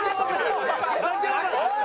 おい！